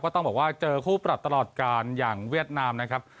ต้องบอกว่าเจอคู่ปรับตลอดการอย่างเวียดนามนะครับ